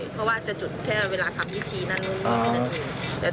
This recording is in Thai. เพราะว่าจะจุดแค่เวลาทำพิธีนั้นนู่นหนึ่ง